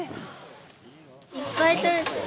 いっぱい取れた。